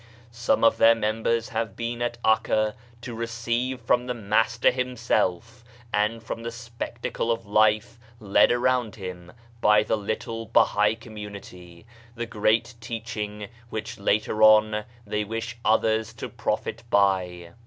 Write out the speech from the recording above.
Some of their members have been at 'Akka to receive from the Master himself, and from the spectacle of life led around him by the little Bahai community, the great teaching which later on they wish others to profit by.